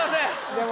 でも